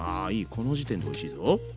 この時点でおいしいぞ。